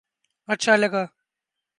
اچھا لگا